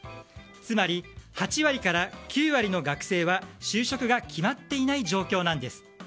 つまり８割から９割の学生は就職が決まっていない状況なんです。